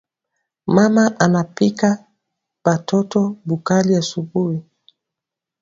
Maman anapikia ba toto bu kali asubui